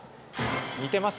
似てます？